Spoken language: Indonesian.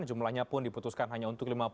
jumlahnya pun diputuskan hanya untuk lima puluh